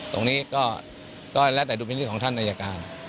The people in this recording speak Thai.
ตรงนี้ก็แล้วแต่ดุลพินิษฐ์ของท่านอายการ